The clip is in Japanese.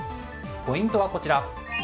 ポイントはこちら。